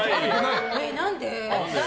何で？